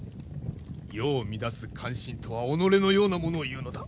世を乱す奸臣とは己のような者を言うのだ。